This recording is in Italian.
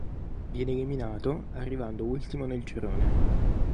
Viene eliminato arrivando ultimo nel girone.